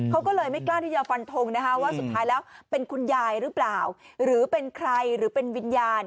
เขาก็เลยไม่กล้าที่จะฟันทงนะคะว่าสุดท้ายแล้วเป็นคุณยายหรือเปล่าหรือเป็นใครหรือเป็นวิญญาณ